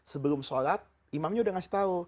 sebelum sholat imamnya udah ngasih tau